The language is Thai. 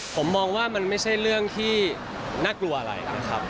ผมมองว่ามันไม่ใช่เรื่องที่น่ากลัวอะไรนะครับ